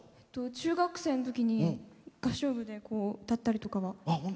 中学生のときに合唱部で歌ったりとか。